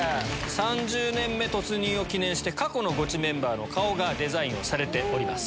３０年目突入を記念して過去のゴチメンバーの顔がデザインされております。